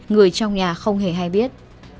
người trong nhà không hề hay biết